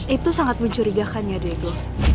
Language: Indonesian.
itu sangat mencurigakan ya dego